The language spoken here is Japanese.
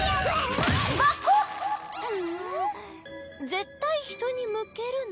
「絶対人に向けるな」